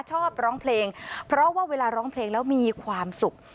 ชอบร้องเพลงเพราะว่าเวลาร้องเพลงแล้วมีความสุข